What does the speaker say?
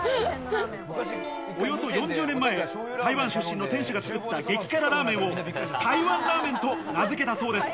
およそ４０年前、台湾出身の店主が作った激辛ラーメンを、台湾ラーメンと名付けたそうです。